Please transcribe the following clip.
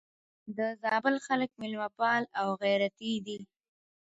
د زابل خلک مېلمه پال او غيرتي دي.